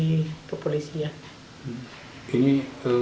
kata dia kalau aku nanti lulus kepolisian tetap aku jadi pelayan juga di kepolisian